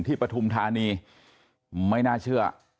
ปฐุมธานีไม่น่าเชื่อ